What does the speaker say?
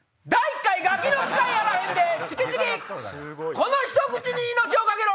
この一口に命をかけろ。